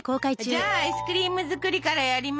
じゃあアイスクリーム作りからやりま。